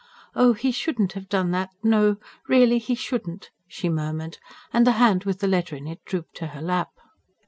"Oh, he shouldn't have done that... no, really he shouldn't!" she murmured; and the hand with the letter in it drooped to her lap.